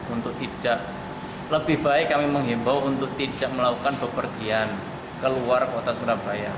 untuk tidak lebih baik kami mengimbau untuk tidak melakukan pepergian keluar kota surabaya